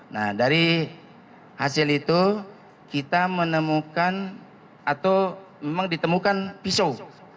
nah dari hasil itu kita menemukan atau memang ditemukan pisau